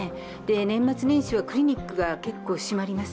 年末年始はクリニックが結構閉まります。